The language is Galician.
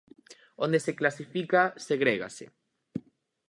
Onde se clasifica, segrégase.